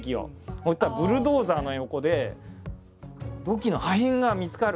そしたらブルドーザーの横で土器の破片が見つかる。